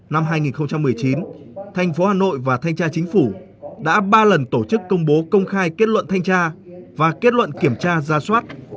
năm hai nghìn một mươi chín thành phố hà nội và thanh tra chính phủ đã ba lần tổ chức công bố công khai kết luận thanh tra và kết luận kiểm tra ra soát